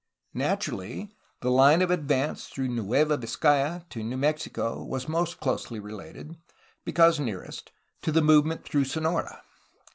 Naturally, the line of advance through Nueva Vizcaya to New Mexico was most closely related, because nearest, to the movement through Sonora.